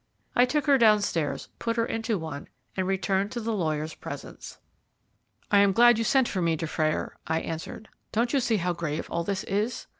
I took her downstairs, put her into one, and returned to the lawyer's presence. "I am glad you sent for me, Dufrayer," I answered. "Don't you see how grave all this is?